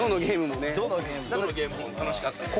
どのゲームも楽しかった。